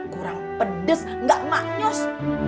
kurang pedes gak manyos